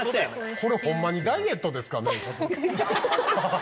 これホンマにダイエットですかね？